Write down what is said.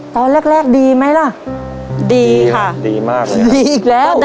ตอนแรกดีไหมล่ะดีค่ะดีมากเลยดีอีกแล้ว